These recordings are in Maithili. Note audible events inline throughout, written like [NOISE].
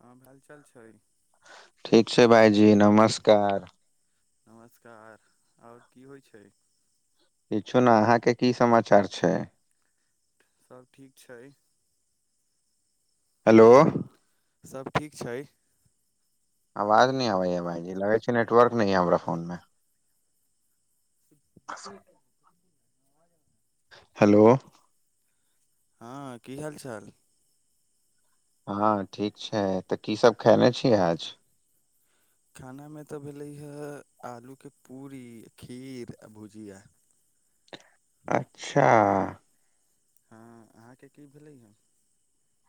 हँ हालचाल छै ठीक छै भाइजी नमस्कार नमस्कार आओर की होइत छै किछु ने अहाँके की समाचार छै सब ठीक छै हेलो सब ठीक छै आवाज नय आबै हा भाईजी लगे छै नेटवर्क नय ये हमरा फोन मे [INAUDIBLE] हेलो हँ की हाल चाल हँ ठीक छै तऽ की सब खयने छी आज खानामे तऽ भेलै हे आलूके पूरी खीर आ भुजिया अच्छा हँ अहाँके की भेलै हे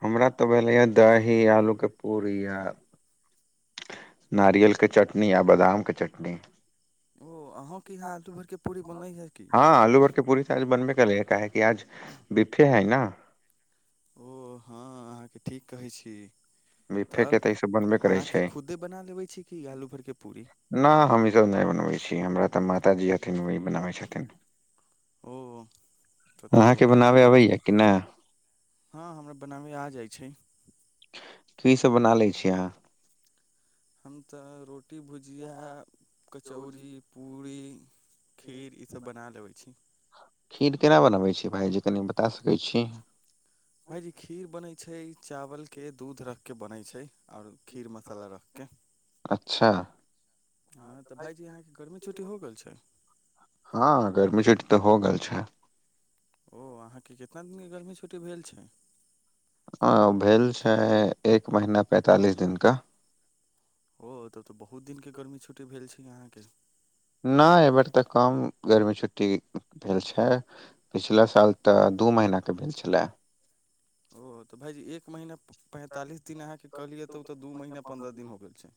हमरा तऽ भेलैए दही आलूके पूरी य नारियलके चटनी आ बादामके चटनी ओ अहूँके यहाँ आलु भरिके पूरी बनलैएँ की हँ आलू भर के पूरी आज बनबे कलै ह काहेकि आज बिफे हय न ओ हँ अहाँके ठीक कहै छी बिफे के तब तऽ ई सब बनबे करै अहाँके छै खुदे बना लेबै छी कि आलू भरके पूरी न हम ईसभ नय बनबै छी हमरा तऽ माताजी हथिन ओहे बनाबै छथिन ओ तऽ तऽ अहाँके बहुत अच्छा बनाबे बात छै अबैया कि न हँ हमरा बनाबे आ जाइ छै की सब बना लै छियै अहाँ हम तऽ रोटी भुजिया कचौड़ी पूड़ी खीर मतलब बना लेबै छी खीर केना बनबै छी भाइजी कनि बता सकै छी भायजी खीर बनै छै चावल के दूध रख के बनै छै आओर खीर मसाला रख के अच्छा हँ तऽ भायजी यहाँके गर्मी छुट्टी हो गेल छै हँ गर्मी छुट्टी तऽ हो गेल छै ओ अहाँके कितना दिन के गर्मी छुट्टी भेल छै अ भेल छै एक महीना पैंतालिस दिन का ओ तब तऽ बहुत दिन के गर्मी छुट्टी भेल छै अहाँके नय अयबेर तऽ कम गर्मी छुट्टी भेल छै पिछला साल तऽ दू महिना के भेल छलै ओ तऽ भायजी एक महीना पैंतालिस दिन अहाँके कहलियै तऽ ओ तऽ दू महीना पन्द्रह दिन हो गेल छै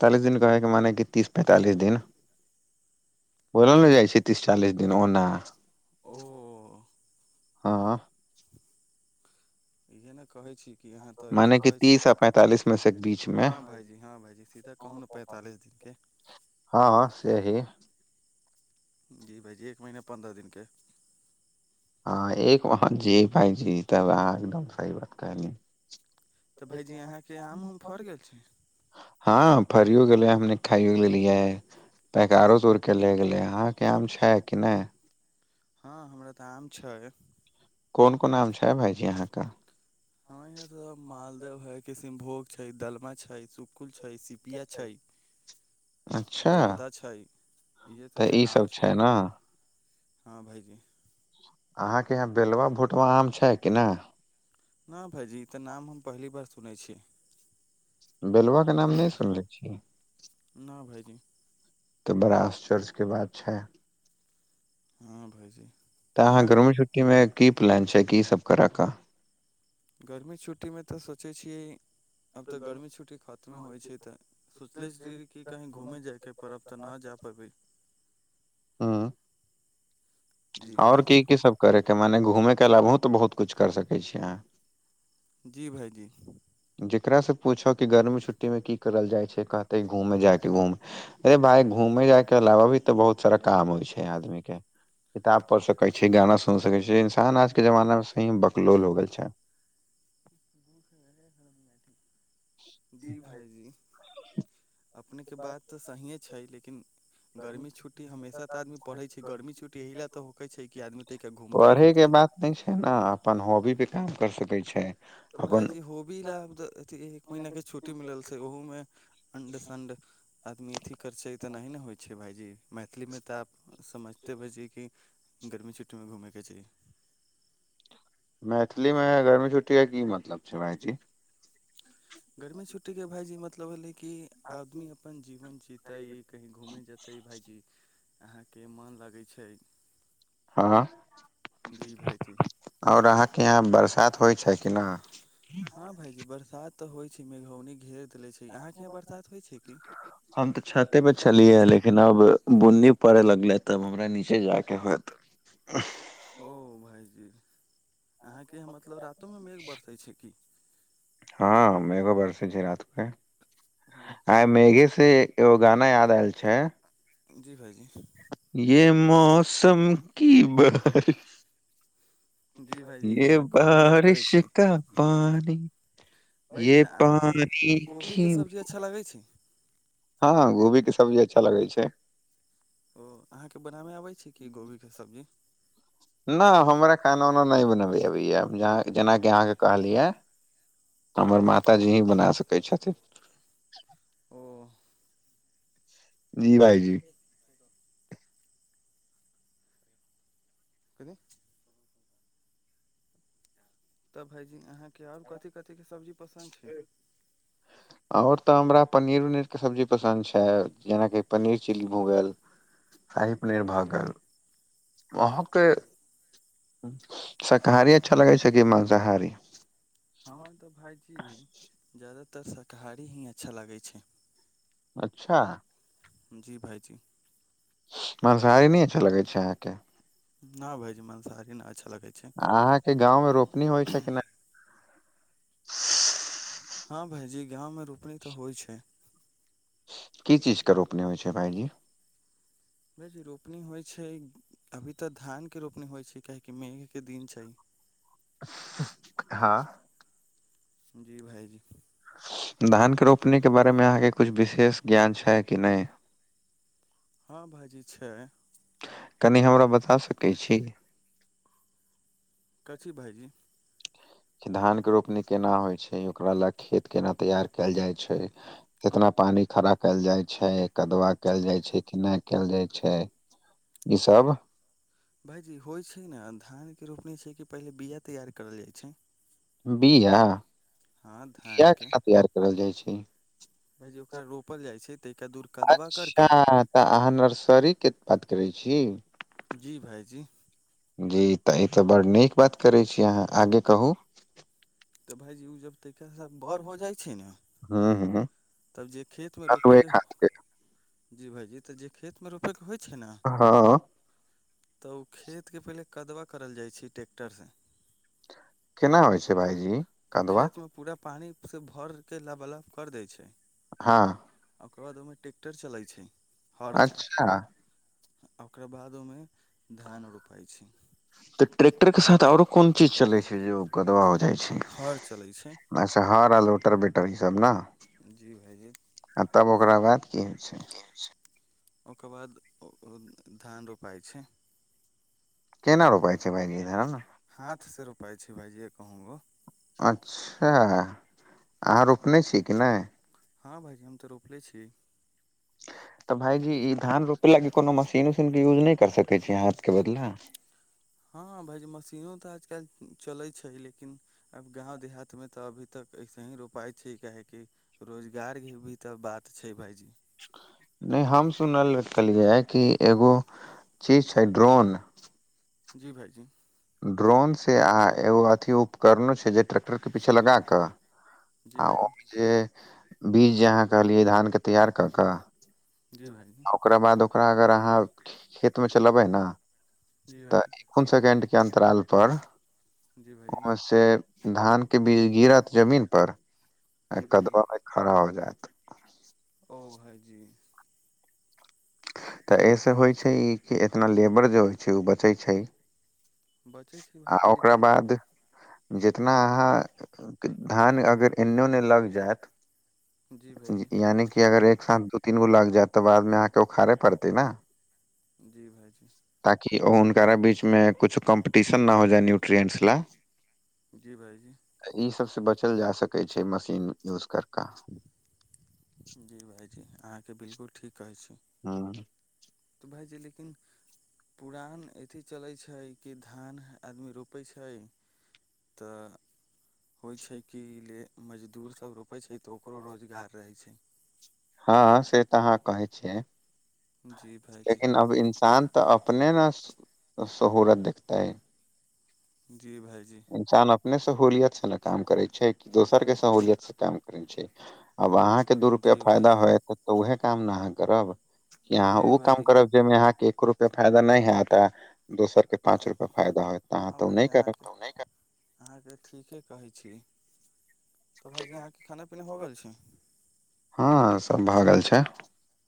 पैतालस दिन कहै के मने की तीस पैतालिस दिन बोलल ने जाइ छै तीस चालीस दिन ओना ओ हँ इहे न कहै छी कि अहाँ तऽ ऐसे कहै छी मेसक बीच मे हँ भाइजी हं भाइजी सीधा कहू न पैंतालिस दिनके हँँ से ही जी भाइजी एक महीना पन्द्रह दिन के हँ एक वह जी भाईजी तब अहाँ एकदम सही बात कहली तऽ भायइजी अहाँके आम उम फड़ि गेल छै हँ फरियो गेलै है हमनी खाइयो लेलियै पैकारो तोड़के ले गेलै अहाँके आम छै कि नय हँ हमरा तऽ आम छै कोन कोन आम छै भाइजी अहाँके ह यहा तऽ मालदह है किसिनभोग छै दलमा छै सुखुल छै पिया छै अच्छा जर्दा छै इएह तऽ सभके ई आम सब छै ने हं भाईजी अहाँके यहाँ बेलबा भुटबा आम छै कि नय न भाईजी ईतऽ नाम हम पहली बार सुनै छी बेलुवा के नाम नय सुनले छियै न भाइजी तऽ बड़ा आश्चर्च के बात छै हँ भाइजी तऽ अहाँ गर्मी छुट्टी मे की प्लान छै की सब करऽ क गर्मी छुट्टी मे तऽ सोचै छियै अब तऽ गर्मी छुट्टी खतमे होइ छै तऽ सोचले छी की कहीं घूमे जाय के पर आब त नय जा पबै हूं जी आओर भाइजी की की सब करेके मने घूमे के अलावहो तऽ बहुत किछ कर सकै छीयै अहाँ जी भायजी जकरा सँ पूछो कि गर्मी छुट्टी मे की करल जाइ छै कहतै घूमे जायके घूम अरे भाय घूमे जाय के अलावा भी तऽ बहुत सारा काम होइ छै आदमी के किताब पढ़ सकै छी गाना सुन सकै छी इन्सान आज के जमाना मे सही मे बकलोल हो गेल छै जी भायजी। अपनेके बात तऽ सहिए छै लेकिन। गर्मी छुट्टी हमेशा तऽ आदमी परैय छै गर्मी छुटी ले त होे छै कि आदमी ते के घूम प। ‌ तैय के बात नय छै ने अपन हॉबी पे काम कर सकैत छै। तऽ अपन भायजी होबी लाभ अथ एक महीने छुट्टी मिलल छै ओहुमे। अण्ड सणड आदमी अथी करै छै तऽ नहि ने होइ छै भायजी मैथिलीमे तऽ आब। समझते भायजी कि गर्मी छुट्टीमे घुमैके चाहिए। मैथिलीमे गर्मी छुट्टीके की मतलब छै भायजी। गर्मी छुट्टीके भायजी जे ई मतलब भेलै कि आदमी अपन जीवन जीतै कहीँ घूमै जेतै। तै भाइजी अहाँके मोन लगै छै। हँ जी भायजी आओर अहाँके यहाँ बरसात होइ छै कि न। हँं भाईजी बरसात तऽ होइ छै मेघौनी घेर देले छै अहाँ के यहाँ बरसात होइ छै की। हम तऽ छते परे छलिय लेकिन अब बुन्नी पड़े लगले तब हमरा नीचे जायके होत। [INAUDIBLE] ओ भाइजी अहाँके मतलब रातोमे मेघ बरसै छै की। हँ मेघो बरसैय छै रात को ओ आ। मेघे से एगो गाना याद आयल छै। जी भाइजी। ये मौसम। की बारिश जी भाईजी ये अहाँ खूब मजा करै बारिश छी का। पानी भाईजी ये तऽ अहाँके पानी की। कोबीके सब्जी अच्छा लगै छी। हँ गोभी के सब्जी अच्छा लगै छै ओ अहाँके बनाबै आबैत छै की गोभीके सब्जी न हमरा खानो ओना नय बनबै अबैया जेनाकि अहाँके कहलिया। हमर माताजी ही बना सकै छथिन। ओ। जी भइजी ठीक कथी तऽ भायजी अहाँके आओर कथी कथीके सब्जी पसन्द छै आओर तऽ हमरा पनीर उनीरके सब्जी पसन्द छै जेनाकि पनीर चिली भऽ गेल साहिपनीर भऽ गेल अहाँके शाकाहारी अच्छा लगै छै की मांसाहारी हँ तऽ भाइजी जादातर शाकाहारी ही अच्छा लागै छै अच्छा जी भाइजी मांसाहारी नय अच्छा लगे छै अहाँके ना भायजी मंसाहारी ने अच्छा लगे छै अहाँके गाँव मे रोपनी होइ छै कि नय हँ भायजी गाँवमे रोपनी तऽ होइ छै की चीज के रोपनी होइ छै भाइजी भाइजी रोपनी होइ छै अभी तऽ धान के रोपनी होइ छै काहेकि मेघ के दिन छै हँ जी भायजी धान के रोपनी के बारे मे अहाँके कुछ विशेष ज्ञान छै कि नै हँ भाइजी छै कनि हमरा बता सकै छी कथी भाइजी कि धानके रोपनी केना होइ छै ओकरा लए खेत केना तैयार केल जाय छै कितना पानी खड़ा केल जाइ छै कदवा केल जाइ छै कि ना केल जाइ छै ई सब भाायजी होइत् छै ने धानके रोपनी छै कि पहिले बीआ तैयार करल जाइ छै बिआा हँ धानके केना तैयार करल जाय छै भायजी ओकरा रोपल जाइ छै तहिका दूर कदवा अच्छा करके तऽ अहाँ नर्सरी के बात करै छी जी भाइजी जी तऽ ई तऽ बडड़ नीक बात करै छी अहाँ आगे कहू तऽ भाायजी ओ जब तैका सा बड़ हो जाइ छै ने हुॅं हुॅं तब जे खेतमे रोपेके जी भाईजी तऽ जे खेतमे रोपै के होइ छै ने हँ तऽ ओ खेतके पहिले कदवा करल जयइ छै ट्रैक्टरसँ केना होइ छै भाइजी ओ कदवा खेतमे पूरा पानिसँ भरके लाबालाप कर दै छै हँ ओकर बाद ओहिमे ट्रैेक्टर चलै छै हरसँ अच्छा आ ओकरा बाद ओहमे धान रोपाइ छै तऽ ट्रैक्टरके साथ आओरो कोन चीज चलै छै जे ओ गदवा हो जाइ छै हर चलै छै अच्छा हर आर लोटर वेटर ई सब ने जी भाइजी आओ तब ओकरा बाद की होइ छै ओकर बाद धान रोपाय छै केना रोपाय छै भाइजी धान अच्छ भाइजिए कहू गो [UNINTELLIGIBLE] अच्छा अहाँ रोपने छीये कि नै हँ भाइजी हम तऽ रोपने छी तऽ भाायजी ई धान रोपे ल क कोनो मशीन उशीन के यूज नै कर सकै छी हाथ के बदला हँ भाायजी मशीनो तऽ आजकल चलै छै लेकिन आब गाँव देहातमे तऽ अभी तक अइसे ही रोपाय छै काहेकि रोजगारके भी तऽ बात छै भाइजी नै हम सुनल कहलियै कि एगो चीज छै ड्रोन जी भाइजी ड्रोनसँ आ एगो अथी उपकरणो छै जे ट्रैक्टरके पीछे लगा कऽ जी आ ओ भाइजी जे बीज जे अहाँ कहलियै धानके तैयार कऽ कऽ जी भाय ओकरा बाद ओकरा अगर अहाँ खेत मे चलेबै ने जी भाइजी तऽ कोन सेकेण्ड के अन्तराल पर जी भाइजी ओहमे से धान के बीज गिरत जमीन पर आ जी भाइजी कदवा खड़ा हो जाएत ओ भाइजी तऽ एहिसँ होइ छै कि एतना लेबर जे होइ छै उ बचै छै बचै छै आ भाइजी ओकरा लेकिन बाद जितना अहाँ धान अगर एने ओने मतलब जैत जी भाइजी यानि की अगर एक साथ दु तीन गो लग जैत तऽ बादमे अहाँकेँ उखाड़य पड़तै नऽ जी भाइजी ताकि हुनकरा बीचमे कछु कम्पटिशन नऽ हो जाइ न्यूट्रेन्स लऽ जी भाइजी ई सबसँ बचल जा सकै छै मशीन यूज कैर कऽ जी भाइजी अहाँकेँ बिलकुल ठीक कहै छी हुँ तऽ भायजी लेकिन पुरान अथी चलै छै कि धान आदमी रोपै छै तऽ होइ छै कि ले मजदूर सब रोपै छै तऽ ओकरो रोजगार रहै छै हँ से तऽ अहाँ कहै छियै छै जी भाइजी लेकिन अब इन्सान तऽ अपने नऽ शहूरत देखतै जी भाइजी इन्सान अपने सहूलियत से नऽ काम करै छै कि दोसर केँ सहूलियत से काम करै छै आब अहाँकेँ दू रुपैया जी फायदा भाइजी होयत तऽ उहे काम नऽ अहाँ करब की अहाँ जी उ काम भाइजी करब जाहिमे अहाँकेँ एक रूप या फायदा नय हैत आ दोसर केँ पाँच रुपैया फायदा होएत हँ भायजी अहाँकेँ उ नय कर अहाँकेँ ठीके कहै छी तऽ भाायजी अहाँकेँ खाना पीना हो गेल छै हँ सब भऽ गेल छै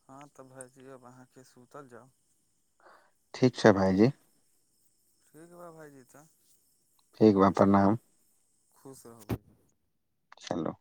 हँ तऽ भायजी अब अहाँकेँ सुतल जाउ ठीक छै भाइजी ठीक बा भाइजी तऽ ठीक बा प्रणाम खुश रहु चलू